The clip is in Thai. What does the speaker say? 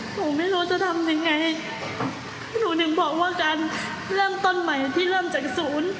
หนูไม่รู้จะทำยังไงหนูถึงบอกว่าการเริ่มต้นใหม่ที่เริ่มจากศูนย์